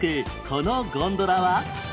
このゴンドラは？